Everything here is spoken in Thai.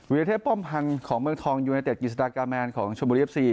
เทพป้อมพันธ์ของเมืองทองยูเนเต็ดกิจสตากาแมนของชมบุรีเอฟซี